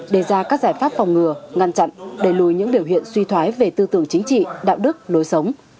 đề ra các giải pháp phòng ngừa ngăn chặn đẩy lùi những biểu hiện suy thoái về tư tưởng chính trị đạo đức lối sống